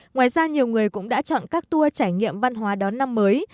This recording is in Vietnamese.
ngoài ra nhiều người cũng đã chọn các tour trải nghiệm văn hóa đón năm mới